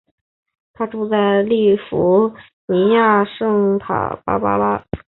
他居住在加利福尼亚州圣塔芭芭拉。